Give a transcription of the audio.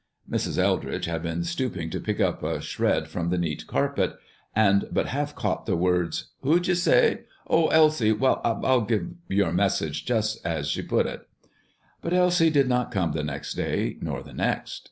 Mrs. Eldridge had been stooping to pick up a shred from the neat carpet, and but half caught the words. "Who d' you say? O, Elsie! Well, I'll give your message just 's you put it." But Elsie did not come the next day, nor the next.